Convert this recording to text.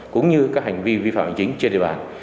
cũng như các hành vi vi phạm hành chính trên địa bàn